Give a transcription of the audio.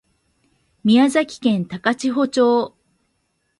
宮崎県高千穂町